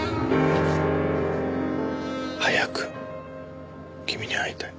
「早く君に会いたい」